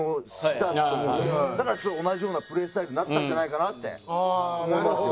だから同じようなプレースタイルになったんじゃないかなって思いますよ。